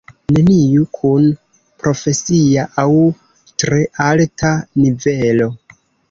Neniu kun profesia aŭ tre alta nivelo.